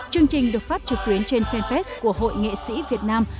chương trình được phát trực tuyến trên fanpage của hội nghệ sĩ việt nam